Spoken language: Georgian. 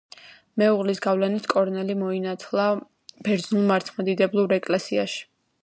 მეუღლის გავლენით, კორნელი მოინათლა ბერძნულ მართლმადიდებლურ ეკლესიაში.